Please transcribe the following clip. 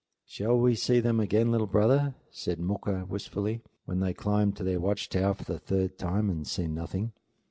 "Shall we see them again, little brother?" said Mooka wistfully, when they had climbed to their watch tower for the third time and seen nothing.